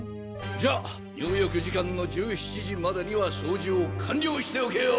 じゃあ入浴時間の１７時までには掃除を完了しておけよ！